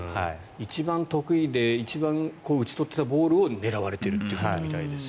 一番得意で一番打ち取っていたボールを狙われているということみたいです。